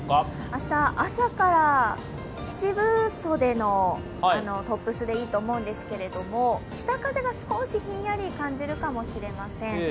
明日、朝から七分袖のトップスでいいと思うんですけど、北風が少しひんやり感じるかもしれません。